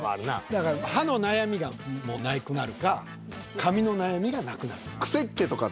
だから歯の悩みがもうなくなるか髪の悩みがなくなるか。